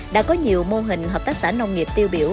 đã có nhiều mô hình hợp tác xã nông nghiệp tiêu biểu